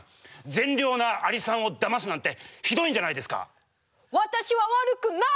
善良なアリさんをだますなんてひどいんじゃないですか！